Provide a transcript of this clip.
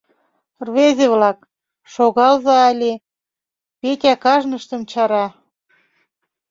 — Рвезе-влак, шогалза але, Петя кажныштым чара.